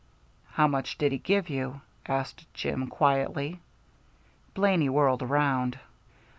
"How much did he give you?" asked Jim, quietly. Blaney whirled around.